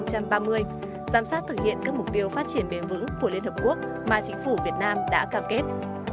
giám sát thực hiện các mục tiêu phát triển bền vững của liên hợp quốc mà chính phủ việt nam đã cam kết